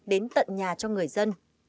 đến tận nhà cho người dân